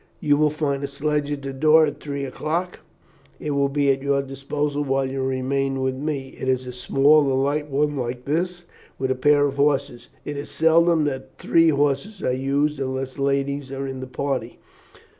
You will find a sledge at the door at three o'clock; it will be at your disposal while you remain with me. It is a small and light one, like this, with a pair of horses. It is seldom that three horses are used unless ladies are of the party.